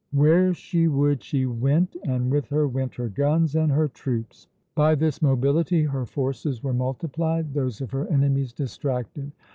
Where she would she went, and with her went her guns and her troops. By this mobility her forces were multiplied, those of her enemies distracted.